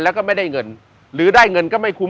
แล้วก็ไม่ได้เงินหรือได้เงินก็ไม่คุ้ม